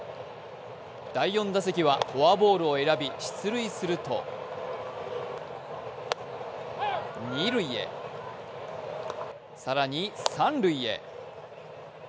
第４打席はフォアボールを選び出塁すると二塁へ更に三塁へ。